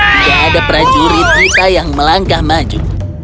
tidak ada prajurit kita yang melangkah maju